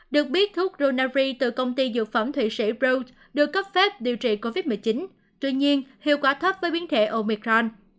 được biết thuốc runari từ công ty dược phẩm thụy sĩ browe được cấp phép điều trị covid một mươi chín tuy nhiên hiệu quả thấp với biến thể omicron